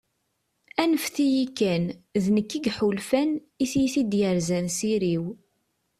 anfet-iyi kan, d nekk i yeḥulfan, i tyita i d-yerzan s iri-w